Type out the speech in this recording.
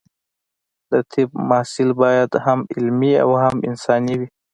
د طب محصل باید هم علمي او هم انساني وي.